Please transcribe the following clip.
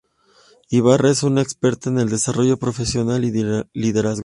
Ibarra es una experta en el desarrollo profesional y el liderazgo.